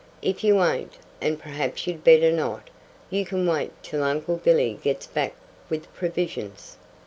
If you ain't and perhaps you'd better not you can wait till Uncle Billy gets back with provisions."